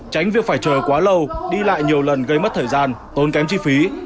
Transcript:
tránh việc phải chờ quá lâu đi lại nhiều lần gây mất thời gian tốn kém chi phí